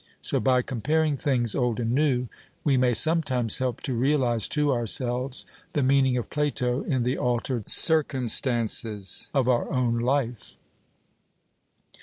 So by comparing things old and new we may sometimes help to realize to ourselves the meaning of Plato in the altered circumstances of our own life.